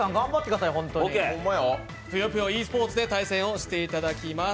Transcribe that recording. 「ぷよぷよｅスポーツ」で対戦していただきます。